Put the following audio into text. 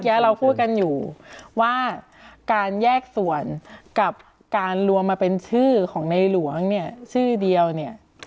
แล้วเราพูดกันอยู่ว่าการแยกส่วนกับการรวมมาเป็นชื่อของในหลวงเนี่ยชื่อเดียวเนี่ย